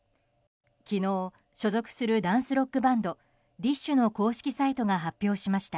昨日、所属するダンスロックバンドＤＩＳＨ／／の公式サイトが発表しました。